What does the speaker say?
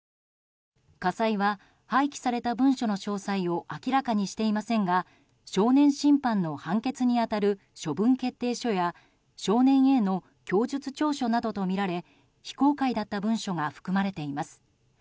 家裁は廃棄された文書の詳細を明らかにしていませんが少年審判の判決に当たる処分決定書や少年Ａの供述調書などとみられ非公開だった文書が含まれています。